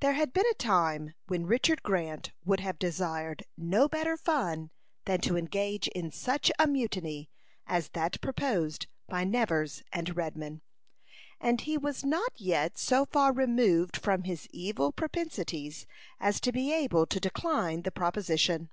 There had been a time when Richard Grant would have desired no better fun than to engage in such a mutiny as that proposed by Nevers and Redman; and he was not yet so far removed from his evil propensities as to be able to decline the proposition.